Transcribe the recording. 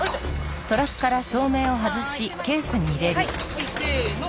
はいせの！